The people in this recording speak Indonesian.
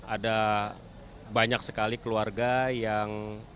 ada banyak sekali keluarga yang